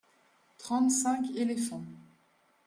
Trente-cinq éléphants.